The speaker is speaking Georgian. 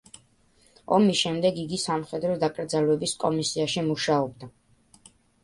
ომის შემდეგ იგი სამხედრო დაკრძალვების კომისიაში მუშაობდა.